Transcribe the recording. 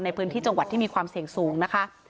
ในพื้นที่จังหวัดที่มีความเสี่ยงสูงนะคะ